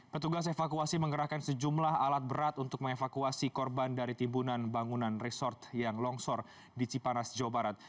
petugas evakuasi mengerahkan sejumlah alat berat untuk mengevakuasi korban dari timbunan bangunan resort yang longsor di cipanas jawa barat